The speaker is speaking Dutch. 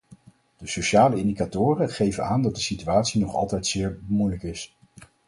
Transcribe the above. De sociale indicatoren geven aan dat de situatie nog altijd zeer moeilijk is.